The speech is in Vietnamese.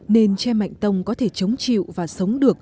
nên tre mạnh tông có thể chống chịu và sống được